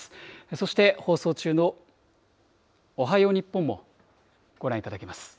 そして放送中のおはよう日本もご覧いただけます。